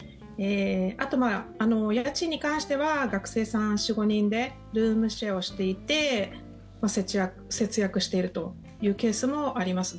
あと、家賃に関しては学生さん４５人でルームシェアをしていて節約しているというケースもあります。